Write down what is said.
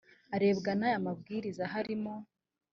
arebwa n aya mabwiriza harimo